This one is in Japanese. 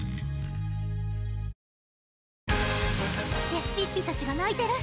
レシピッピたちがないてる